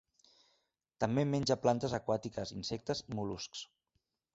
També menja plantes aquàtiques, insectes i mol·luscs.